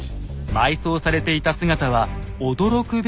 埋葬されていた姿は驚くべきものでした。